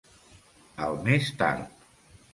Al més tard.